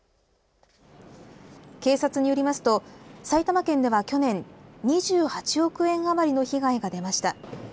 警察によりますと埼玉県では去年２８億円あまりの被害が出ました。